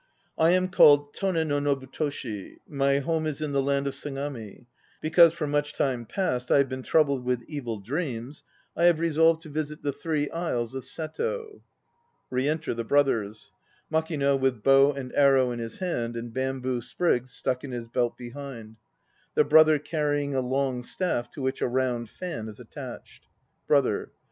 I am called Tone no Nobutoshi. My home is in the land of Sagami. Because for much time past I have been troubled with evil dreams, I have resolved to visit the Three Isles of Seto. (Re enter the Brothers: MAKING with bow and arrow in his hand and bamboo sprigs stuck in his belt behind; the BROTHER carrying a long staff to which a round fan is attached.) BROTHER.